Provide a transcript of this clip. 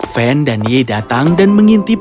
fen dan ye datang dan mengintip